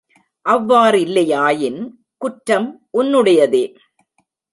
அவ்வாறில்லையாயின் குற்றம் உன்னுடையதே.